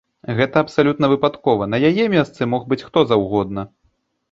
Гэта абсалютна выпадкова, на яе месцы мог быць хто заўгодна.